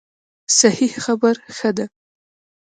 صحیح خبره ښه ده.